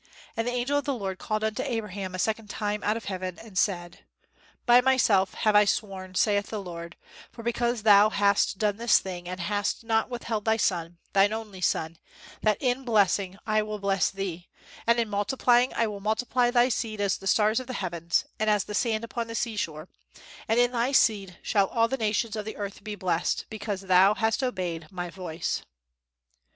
And the angel of the Lord called unto Abraham a second time out of heaven and said, By myself have I sworn, saith the Lord, for because thou hast done this thing, and hast not withheld thy son, thine only son, that in blessing I will bless thee, and in multiplying I will multiply thy seed as the stars of the heavens, and as the sand upon the seashore, and in thy seed shall all the nations of the earth be blessed, because thou hast obeyed my voice."